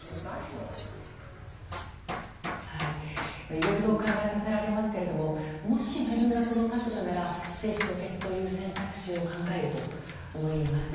いろいろ考えさせられますがもし自分がその立場なら精子凍結という選択肢を考えると思います。